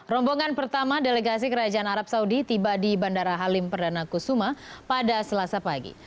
rombongan pertama delegasi kerajaan arab saudi tiba di bandara halim perdana kusuma pada selasa pagi